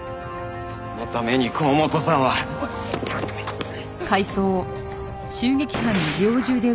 そのために河本さんは！拓海！